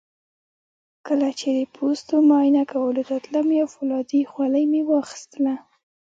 کله چې د پوستو معاینه کولو ته تلم یو فولادي خولۍ مې اخیستله.